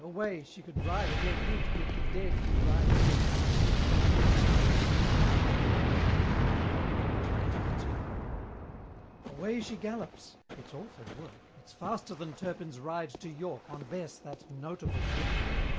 away! she could ride a dead heat With the Dead who ride so fast and fleet, In the Ballad of Leonora! XCII. Away she gallops! it's awful work! It's faster than Turpin's ride to York, On Bess that notable clipper!